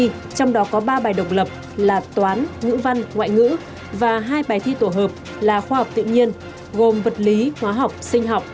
trong đó có ba bài độc lập là toán nhữ văn ngoại ngữ và hai bài thi tổ hợp là khoa học tự nhiên